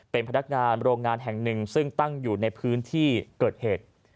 เป็นพนักงานโรงงานแห่งหนึ่งซึ่งตั้งอยู่ในพื้นที่เกิดเหตุ